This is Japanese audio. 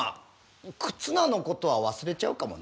忽那のことは忘れちゃうかもな。